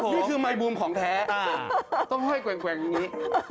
นี่คือไมคูมของแท้ต้องห้อยแกว่งอย่างนี้